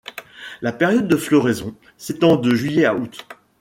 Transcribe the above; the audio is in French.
La période de floraison s'étend de juillet à août.